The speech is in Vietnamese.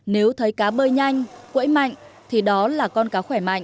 nếu thấy cá bơi nhanh quẫy mạnh thì đó là con cá khỏe mạnh